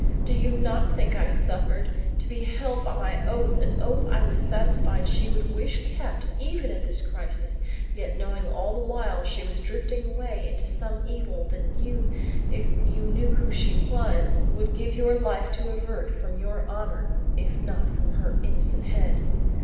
Do you not think I suffered? To be held by my oath, an oath I was satisfied she would wish kept even at this crisis, yet knowing all the while she was drifting away into some evil that you, if you knew who she was, would give your life to avert from your honor if not from her innocent head!